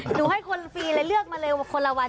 หนูให้คนฟรีเลยเลือกมาเร็วคนละวัน